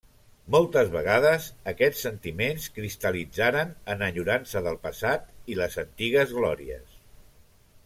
Moltes vegades, aquests sentiments cristal·litzaren en enyorança del passat i les antigues glòries.